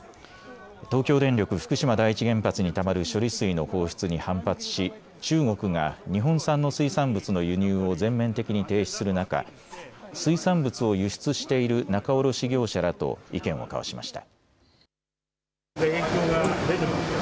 東京電力福島第一原発にたまる処理水の放出に反発し、中国が日本産の水産物の輸入を全面的に停止する中、水産物を輸出している仲卸業者らと意見を交わしました。